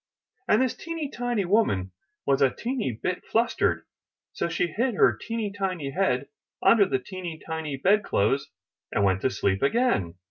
*' And this teeny tiny woman was a teeny tiny bit flustered; so she hid her teeny tiny head under the teeny tiny bed clothes and went to sleep again.